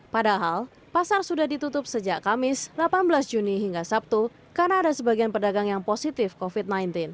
padahal pasar sudah ditutup sejak kamis delapan belas juni hingga sabtu karena ada sebagian pedagang yang positif covid sembilan belas